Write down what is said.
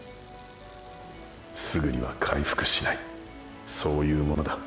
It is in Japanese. すぐには回復しないそういうものだ。